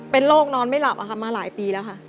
เป็นโรคนอนไม่หลับมาหลายปีแล้วค่ะ